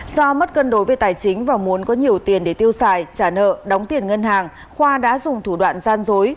do mất cân đối về tài chính và muốn có nhiều tiền để tiêu xài trả nợ đóng tiền ngân hàng khoa đã dùng thủ đoạn gian dối